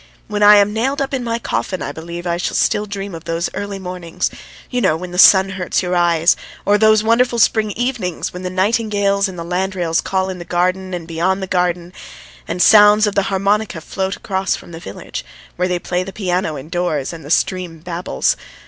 When I am nailed up in my coffin I believe I shall still dream of those early mornings, you know, when the sun hurts your eyes: or the wonderful spring evenings when the nightingales and the landrails call in the garden and beyond the garden, and sounds of the harmonica float across from the village, while they play the piano indoors and the stream babbles